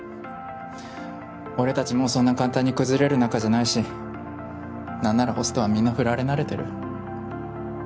俺たちもうそんな簡単に崩れる仲じゃないしなんならホストはみんな振られ慣れてる。